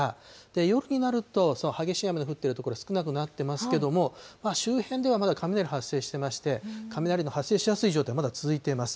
夜になると、激しい雨の降っている所、少なくなってますけれども、周辺ではまだ雷が発生していまして、雷の発生しやすい状態、まだ続いています。